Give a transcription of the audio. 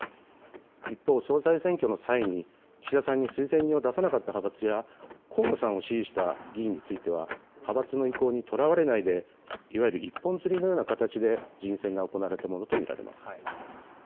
一方、総裁選挙の際に、岸田さんに推薦人を出さなかった派閥や、河野さんを支持した議員については、派閥の意向にとらわれないで、いわゆる一本釣りのような形で人選が行われたものと見られます。